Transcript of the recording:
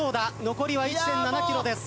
残りは１．７ｋｍです。